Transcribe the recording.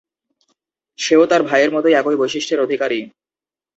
সেও তার ভাইয়ের মতই একই বৈশিষ্ট্যের অধিকারী।